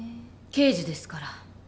刑事ですから。